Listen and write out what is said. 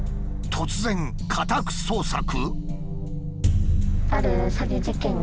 突然家宅捜索？